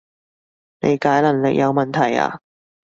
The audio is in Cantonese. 理解能力有問題呀？